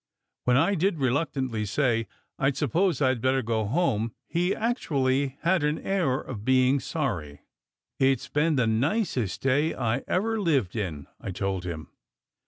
When I did reluctantly say, "I suppose I d better go home?" he actually had the air of being sorry. "It s been the nicest day I ever lived in," I told him.